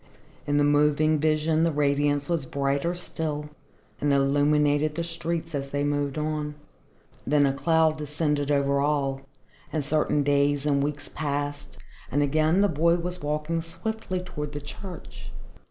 In the moving vision the radiance was brighter still and illuminated the streets as they moved on. Then a cloud descended over all, and certain days and weeks passed, and again the boy was walking swiftly toward the church.